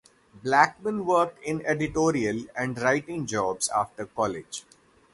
Blackmon worked in editorial and writing jobs after college.